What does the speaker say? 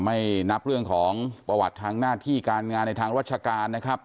ไม่นับเรื่องของประวัติทางหน้าที่การงานในทางราชการนะครับ